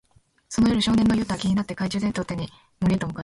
その夜、少年のユウタは気になって、懐中電灯を手に森へと向かった。